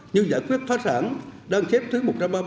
như giải quyết phá sản đăng xếp thứ một trăm ba mươi ba